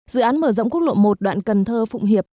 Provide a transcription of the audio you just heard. dự án mở rộng quốc lộ một đoạn cần thơ phụng hiệp